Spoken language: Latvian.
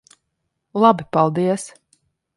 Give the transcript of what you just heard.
Labi. Paldies.